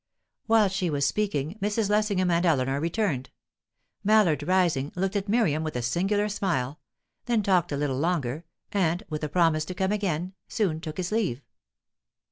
Whilst she was speaking, Mrs. Lessingham and Eleanor returned. Mallard, rising, looked at Miriam with a singular smile; then talked a little longer, and, with a promise to come again, soon took his leave.